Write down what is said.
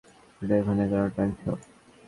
এটা এখানে কেন টানছো?